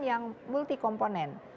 yang multi komponen